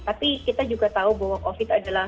tapi kita juga tahu bahwa covid adalah